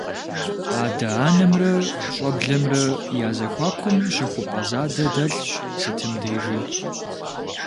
Адэ-анэмрэ щӀэблэмрэ я зэхуакум щыхупӀэ задэ дэлъщ сытым дежи.